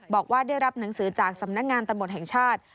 บอกว่าได้รับหนังสือจากสำนักงานตำรวจแห่งชาติ